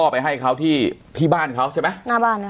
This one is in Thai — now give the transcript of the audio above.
ไปให้เขาที่บ้านเขาใช่มั้ย